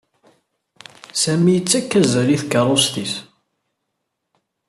Sami yettak azal i tkeṛṛust-is.